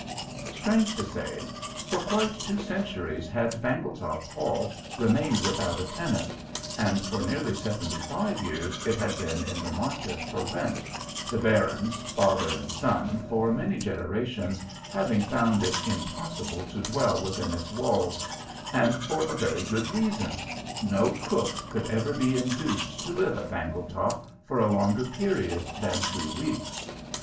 Strange to say, for quite two centuries had Bangletop Hall remained without a tenant, and for nearly seventy five years it had been in the market for rent, the barons, father and son, for many generations having found it impossible to dwell within its walls, and for a very good reason: no cook could ever be induced to live at Bangletop for a longer period than two weeks.